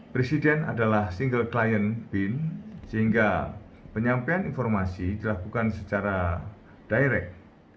presiden adalah single client bin sehingga penyampaian informasi dilakukan secara direct